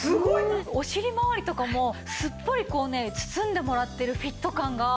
お尻回りとかもすっぽりこうね包んでもらってるフィット感がたまらなくて。